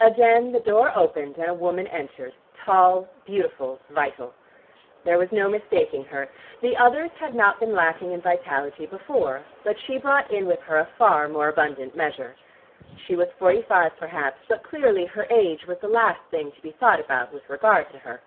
Again the door opened, and a woman entered, tall, beautiful, vital. There was no mistaking her. The others had not been lacking in vitality before, but she brought in with her a far more abundant measure. She was forty five, perhaps, but clearly her age was the last thing to be thought about with regard to her.